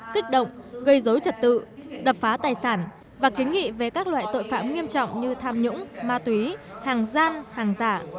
kích động gây dối trật tự đập phá tài sản và kiến nghị về các loại tội phạm nghiêm trọng như tham nhũng ma túy hàng gian hàng giả